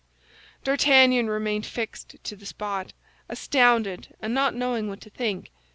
D'Artagnan remained fixed to the spot, astounded and not knowing what to think.